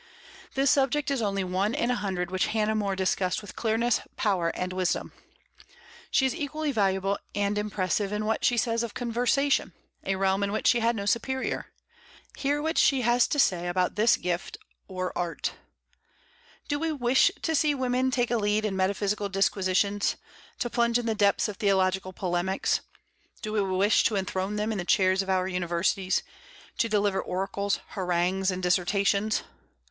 This subject is only one in a hundred which Hannah More discussed with clearness, power, and wisdom. She is equally valuable and impressive in what she says of conversation, a realm in which she had no superior. Hear what she says about this gift or art: "Do we wish to see women take a lead in metaphysical disquisitions, to plunge in the depths of theological polemics? Do we wish to enthrone them in the chairs of our universities, to deliver oracles, harangues, and dissertations?